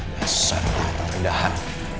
besar dan terendahan